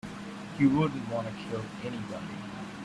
You wouldn't want to kill anybody.